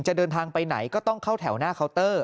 จะเดินทางไปไหนก็ต้องเข้าแถวหน้าเคาน์เตอร์